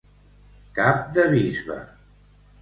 Cap de bisbe.